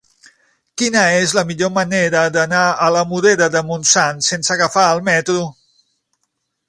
Quina és la millor manera d'anar a la Morera de Montsant sense agafar el metro?